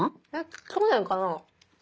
去年かな？